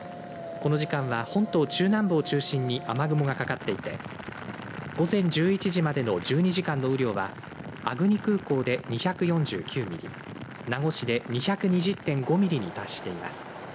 この時間は本島中南部を中心に雨雲がかかっていて午前１１時までの１２時間の雨量は粟国空港で２４９ミリ名護市で２２０．５ミリに達しています。